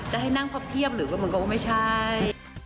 จะให้นั่งพับเพียบหรือว่ามันก็ไม่ใช่